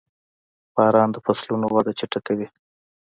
• باران د فصلونو وده چټکوي.